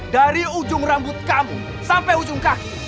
dari ujung rambut kamu sampai ujung kaki